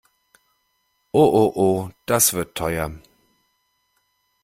Oh oh oh, das wird teuer!